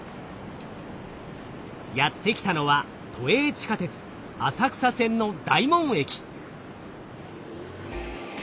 やって来たのは都営地下鉄浅草線の大門駅。